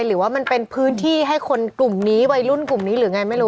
หรือว่ามันเป็นพื้นที่ให้คนกลุ่มนี้วัยรุ่นกลุ่มนี้หรือไงไม่รู้